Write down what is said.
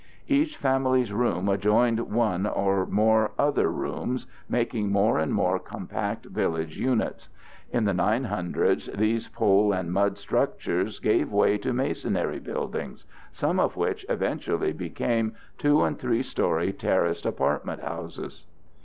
Each family's room adjoined one or more other rooms, making more and more compact village units. In the 900's, these pole and mud structures gave way to masonry buildings, some of which eventually became two and three story terraced apartment houses.